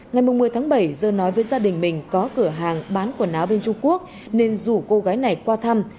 ngày một mươi tháng bảy dơ nói với gia đình mình có cửa hàng bán quần áo bên trung quốc nên rủ cô gái này qua thăm